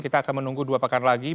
kita akan menunggu dua pekan lagi